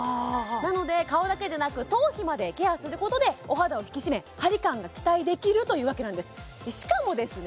なので顔だけでなく頭皮までケアすることでお肌を引き締めハリ感が期待できるというわけなんですしかもですね